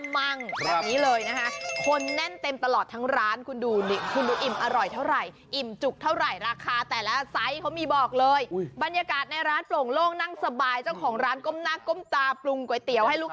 เมื่อเข้าร้านมาเวลาล้างอะถ้วยจะได้ไม่แตก